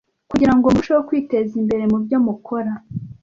kugirango murusheho kwiteza imbere mubyo mukora